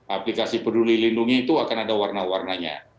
aplikasi peduli lindungi itu akan ada warna warnanya